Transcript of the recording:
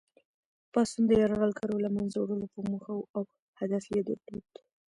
پاڅون د یرغلګرو له منځه وړلو په موخه وو او هدف یې درلود.